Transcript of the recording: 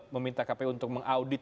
meminta kpu untuk mengaudit